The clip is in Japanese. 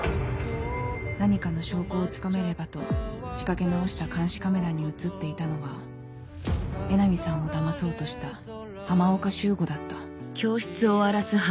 何かの証拠をつかめればと仕掛け直した監視カメラに写っていたのは江波さんをだまそうとした浜岡修吾だった